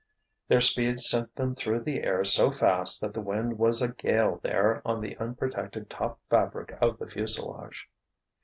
Their speed sent them through the air so fast that the wind was a gale there on the unprotected top fabric of the fuselage.